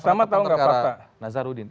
mas tama tahu enggak pak